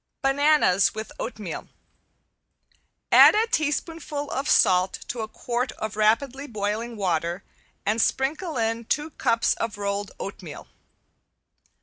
~BANANAS WITH OATMEAL~ Add a teaspoonful of salt to a quart of rapidly boiling water and sprinkle in two cups of rolled oatmeal.